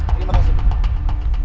terima kasih bu